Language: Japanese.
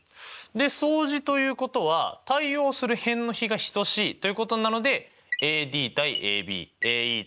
で相似ということは対応する辺の比が等しいということなのでＡＤ：ＡＢＡＥ：ＡＣ